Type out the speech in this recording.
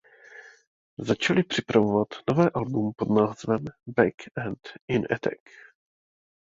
Začali připravovat nové album pod názvem "Back and in Attack".